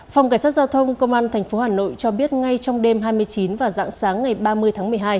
phòng cảnh sát giao thông công an tp hà nội cho biết ngay trong đêm hai mươi chín và dạng sáng ngày ba mươi tháng một mươi hai